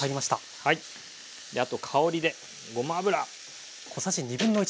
あと香りでごま油。